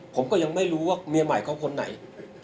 ผมก็ยังไม่รู้ว่าเมียใหม่เขาคนไหน